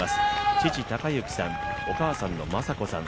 父・孝之さん、お母さんの正子さん。